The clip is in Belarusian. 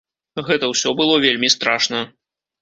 Гэта ўсё было вельмі страшна.